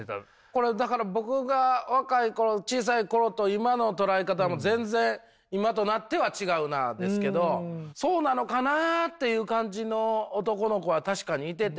これだから僕が若い頃小さい頃と今の捉え方も全然今となっては違うなですけどそうなのかなという感じの男の子は確かにいてて。